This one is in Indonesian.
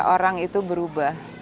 orang itu berubah